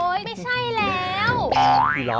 โอ้ยไม่ใช่แล้ว